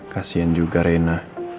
kasian juga rena